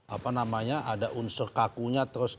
apa namanya ada unsur kakunya terus